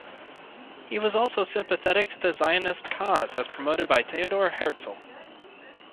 He was also sympathetic to the Zionist cause, as promoted by Theodor Herzl.